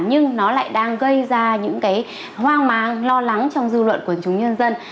nhưng nó lại đang gây ra những cái hoang mang lo lắng trong dư luận quần chúng nhân dân